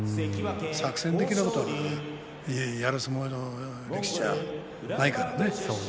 作戦的なことをやる力士ではないからね。